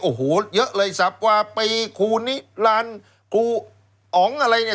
โอ้โหเยอะเลยสับกว่าปีครูนิรันดิ์ครูอ๋องอะไรเนี่ย